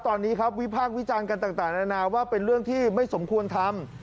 ตอนนี้ครับวิพากษ์วิจารณ์กันต่างนานาว่าเป็นเรื่องที่ไม่สมควรทำ